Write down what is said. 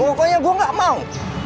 pokoknya gue gak mau